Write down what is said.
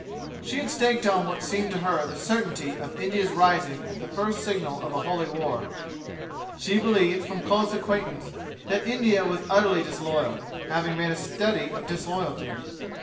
She had staked on what seemed to her the certainty of India's rising at the first signal of a holy war. She believed from close acquaintance that India was utterly disloyal, having made a study of disloyalty.